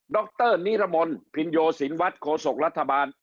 ดรนิรมนศ์พิญโยศินวัตรโขสกรัฐบาล